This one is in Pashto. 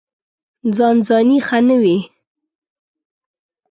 ځان ځاني ښه نه وي.